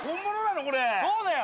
そうだよ。